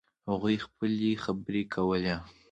هغوی خپلې خبرې کوي